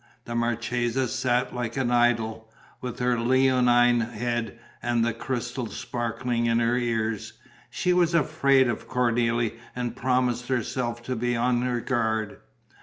The marchesa sat like an idol, with her leonine head and the crystals sparkling in her ears. She was afraid of Cornélie and promised herself to be on her guard.